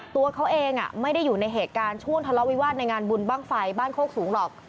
ตัวเขาเองไม่ได้อยู่ในเหตุการณ์ช่วงทะเลาะวิวาสในงานบุญบ้างไฟบ้านโคกสูงหรอก